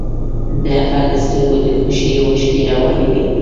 د هغه له سترګو د خوښۍ اوښکې روانې وې